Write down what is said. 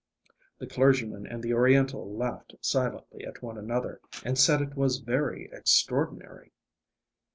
The clergyman and the Oriental laughed silently at one another, and said it was very extraordinary.